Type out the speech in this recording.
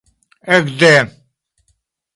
ekde